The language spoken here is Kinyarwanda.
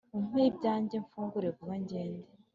umpeho ibyanjye mfungure vuba ngende.